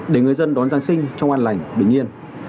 để người dân đón giáng sinh trong an lành bình yên